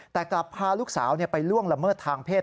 แต่กลับพาลูกสาวไปล่วงละเมิดทางเพศ